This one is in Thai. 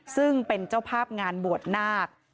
ซึ่งเป็นเจ้าภาพงานบวชนาค